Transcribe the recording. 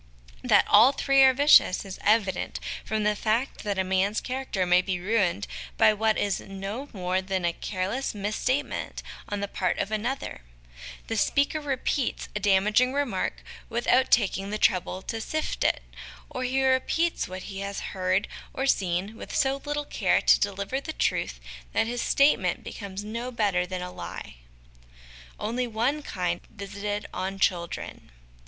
That all three are vicious, is evident from the fact that a man's character may be ruined by what is no more than a careless mis statement on the part of another : the speaker repeats a damaging remark without taking SOME HABITS OF MIND SOME MORAL HABITS 165. the trouble to sift it ; or he repeats what he has heard or seen with so little care to deliver the truth that his statement becomes no better than a lie. Only One Kind visited on Children.